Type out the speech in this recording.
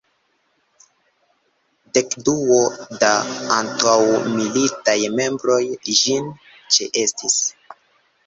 Dekduo da antaŭmilitaj membroj ĝin ĉeestis.